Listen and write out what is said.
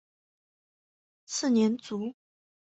次年卒。